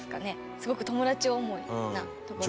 すごく友達思いなところが。